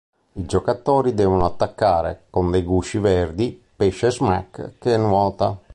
I giocatori devono attaccare, con dei gusci verdi, Pesce Smack che nuota.